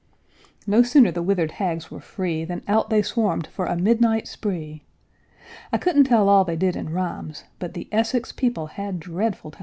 No sooner the withered hags were free Than out they swarmed for a midnight spree; I couldn't tell all they did in rhymes, But the Essex people had dreadful times.